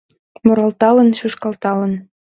Муралталын, шӱшкалталын